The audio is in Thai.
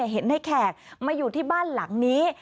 เห็นในแขกมาอยู่ที่บ้านหลังนี้